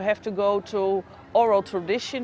harus anda pergi ke tradisi oral